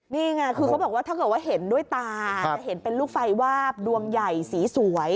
ถ้าเกิดว่าเห็นด้วยตาจะเป็นลูกไฟวาบดวงใหญ่สีสวย